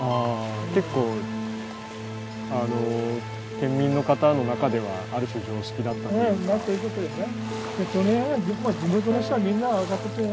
県民の方の中ではある種常識だったというかまあそういうことですね